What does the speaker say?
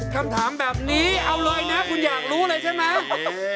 คำถามแบบนี้เอาเลยนะคุณอยากรู้เลยใช่ไหม